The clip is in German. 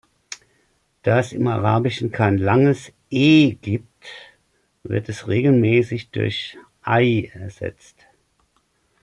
Da es im Arabischen kein langes "e" gibt, wird es regelmäßig durch "ay" ersetzt.